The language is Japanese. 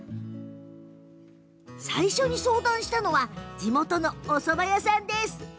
最初に相談したのが地元の、おそば屋さん。